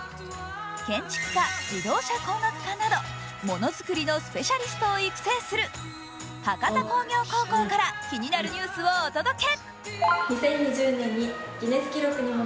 建築科、自動車工学科などものづくりのスペシャリストを育成する博多工業高校から気になるニュースをお届け。